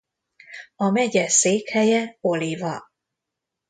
A megye székhelye Oliva.